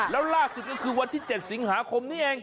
แล้วล่าสุดก็คือวันที่๗สิงหาคมนี้เอง